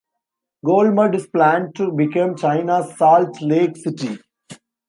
Golmud is planned to become "China's Salt Lake City".